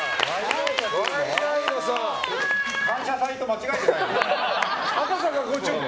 「感謝祭」と間違えてない？